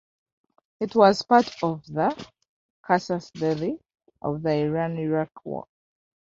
It was part of the "casus belli" of the Iran-Iraq War.